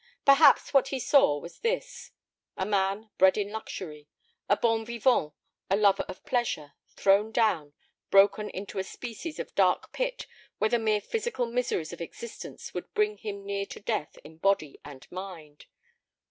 Perhaps what he saw was this: a man bred in luxury, a bon vivant, a lover of pleasure, thrown down, broken into a species of dark pit where the mere physical miseries of existence would bring him near to death in body and mind.